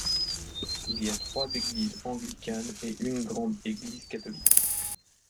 Il y a trois églises anglicanes et une grande église catholique.